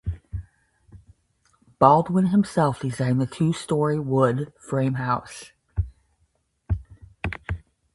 Baldwin himself designed the two storey wood frame house.